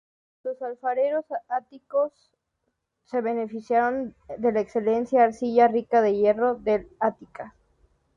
Los alfareros áticos se beneficiaron de la excelente arcilla rica en hierro del Ática.